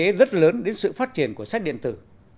hạn chế rất lớn đến sự phát triển của sách điện tử